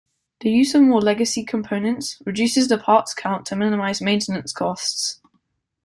The use of more legacy components reduces the parts count to minimise maintenance costs.